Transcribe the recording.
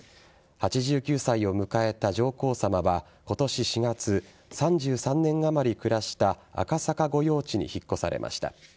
８９歳を迎えた上皇さまは今年４月、３３年あまり暮らした赤坂御用地に引っ越されました。